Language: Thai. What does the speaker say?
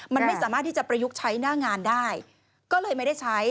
มันไม่สามารถที่จะประยุกต์ใช้หน้างานได้ก็เลยไม่ได้ใช้